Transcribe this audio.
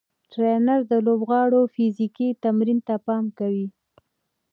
ټرېنر د لوبغاړو فزیکي تمرین ته پام کوي.